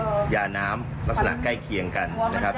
จะมียาน้ำลักษณะใกล้เคียงกัน